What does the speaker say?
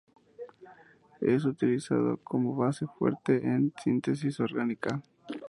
Es utilizado como base fuerte en síntesis orgánica.